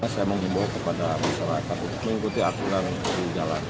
saya mengimbau kepada masyarakat untuk mengikuti aturan di jalan